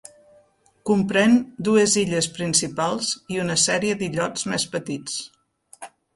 Comprèn dues illes principals i una sèrie d'illots més petits.